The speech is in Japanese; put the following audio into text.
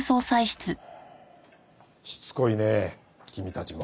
しつこいね君たちも。